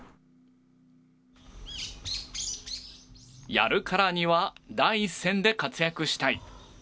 やるからには第一線で活躍したい。